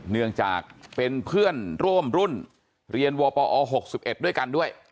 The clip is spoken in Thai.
เนื่องจากเป็นเพื่อนร่วมรุ่นเรียนวปอ๖๑ด้วยกันด้วย